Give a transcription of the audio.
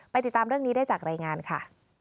ติดตามเรื่องนี้ได้จากรายงานค่ะ